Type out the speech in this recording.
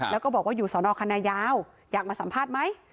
แล้วก็บอกว่าอยู่สอนอคณะยาวอยากมาสัมภาษณ์ไหม